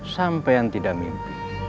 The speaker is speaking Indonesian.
sampean tidak mimpi